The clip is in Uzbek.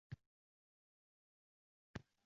Yaxshi asar maqtalmaydi, his qilinadi